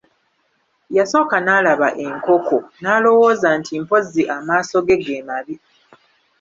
Yasooka n'alaba enkoko n'alowooza nti mpozzi amaaso ge ge mabi.